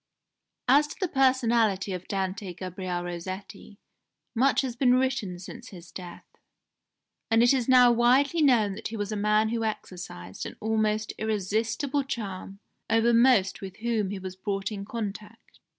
"As to the personality of Dante Gabriel Rossetti much has been written since his death, and it is now widely known that he was a man who exercised an almost irresistible charm over most with whom he was brought in contact.